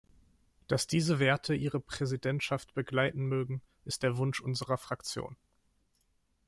Dass diese Werte Ihre Präsidentschaft begleiten mögen, ist der Wunsch unserer Fraktion.